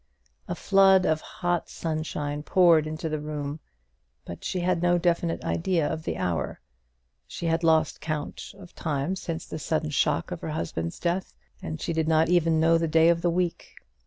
A flood of hot sunshine poured into the room, but she had no definite idea of the hour. She had lost all count of time since the sudden shock of her husband's death; and she did not even know the day of the week.